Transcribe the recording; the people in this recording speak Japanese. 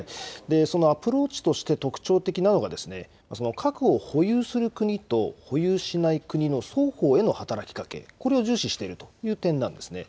そのアプローチとして特徴的なのが、核を保有する国と保有しない国の双方への働きかけ、これを重視しているという点なんですね。